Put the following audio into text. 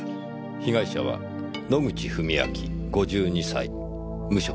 被害者は野口史明５２歳無職。